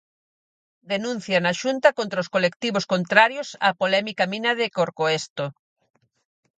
Denuncia na Xunta contra os colectivos contrarios á polémica mina de Corcoesto.